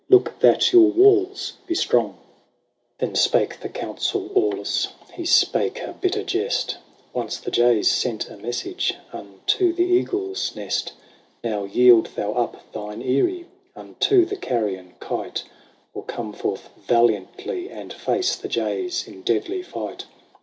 Look that your walls be strong." BATTLE OF THE LAKE REGILLUS. 101 VII. Then spake the Consul Aulus, He spake a bitter jest :" Once the jays sent a message Unto the eagle's nest :— Now yield thou up thine eyrie Unto the carrion kite, Or come forth valiantly, and face The jays in deadly fight.